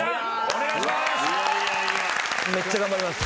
お願いします。